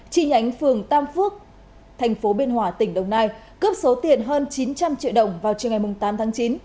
chi nhánh phường tam phước thành phố biên hòa tỉnh đồng nai cướp số tiền hơn chín trăm linh triệu đồng vào chiều ngày tám tháng chín